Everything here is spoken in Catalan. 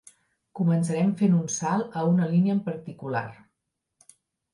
Començarem fent un salt a una línia en particular.